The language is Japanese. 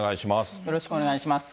よろしくお願いします。